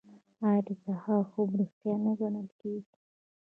آیا د سهار خوب ریښتیا نه ګڼل کیږي؟